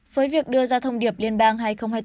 với việc đưa ra thông điệp liên bang hai nghìn hai mươi bốn